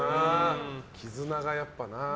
絆が、やっぱりな。